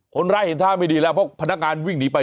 เห็นท่าไม่ดีแล้วเพราะพนักงานวิ่งหนีไป